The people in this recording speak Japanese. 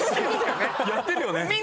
やってるよね。